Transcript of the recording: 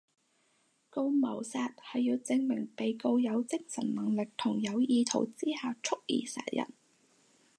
告謀殺係要證明被告有精神能力同有意圖之下蓄意殺人